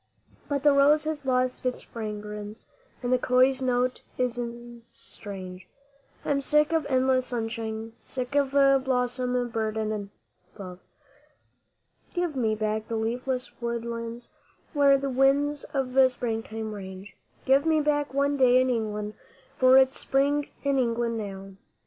But the rose has lost its fragrance, and the köil's note is strange; I am sick of endless sunshine, sick of blossom burdened bough. Give me back the leafless woodlands where the winds of Springtime range Give me back one day in England, for it's Spring in England now!